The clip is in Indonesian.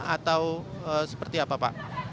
atau seperti apa pak